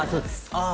ああ